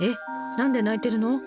何で泣いてるの？